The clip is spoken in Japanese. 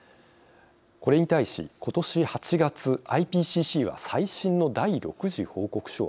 これに対しことし８月ＩＰＣＣは最新の第６次報告書を発表。